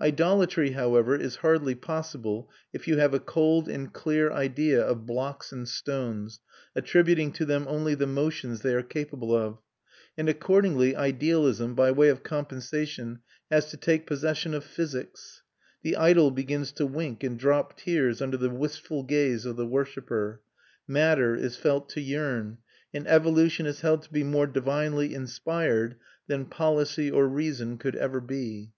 Idolatry, however, is hardly possible if you have a cold and clear idea of blocks and stones, attributing to them only the motions they are capable of; and accordingly idealism, by way of compensation, has to take possession of physics. The idol begins to wink and drop tears under the wistful gaze of the worshipper. Matter is felt to yearn, and evolution is held to be more divinely inspired than policy or reason could ever be.